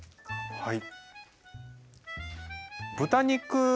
はい。